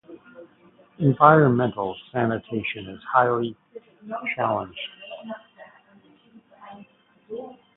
Environmental sanitation is highly challenged.